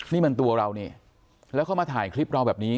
นี่มันตัวเรานี่แล้วเขามาถ่ายคลิปเราแบบนี้